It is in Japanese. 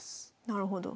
なるほど。